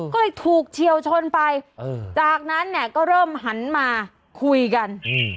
ก็เลยถูกเฉียวชนไปเออจากนั้นเนี่ยก็เริ่มหันมาคุยกันอืม